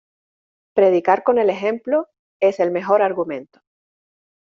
Predicar con el ejemplo, es el mejor argumento.